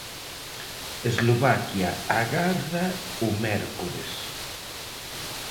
Eslovaquia agarda o mércores.